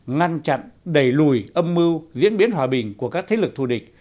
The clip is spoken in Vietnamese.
ngăn chặn đẩy lùi âm mưu diễn biến hòa bình của các thế lực thù địch